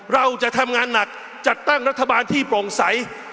เราจะทำงานหนักจัดตั้งรัฐบาลที่โปร่งใส